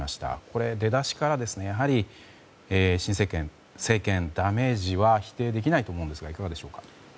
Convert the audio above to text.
これ、出だしから新政権へのダメージは否定できないと思うんですがどうでしょうか。